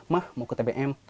mah mau ke tbm